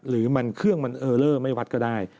หรือมันเครื่องมันเออเลอร์ไม่วัดก็ได้